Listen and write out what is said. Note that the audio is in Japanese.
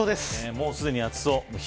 もう、すでに暑そう。